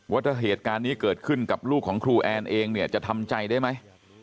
ว่าถ้าเหตุการณ์นี้เกิดขึ้นกับลูกของครูแอนเองเนี่ยจะทำใจได้ไหม